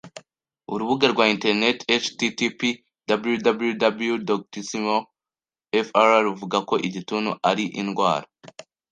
Urubuga rwa Internet http://www.doctissimo.fr, ruvuga ko igituntu ari indwara